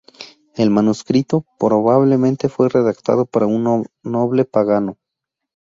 El manuscrito probablemente fue redactado para un noble pagano.